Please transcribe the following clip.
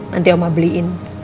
nanti oma beliin